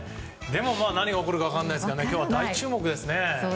でも何が起こるか分からないので今日は大注目ですね。